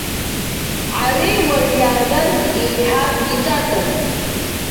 Ари уажә иааргаз еиҳа иҿатәын.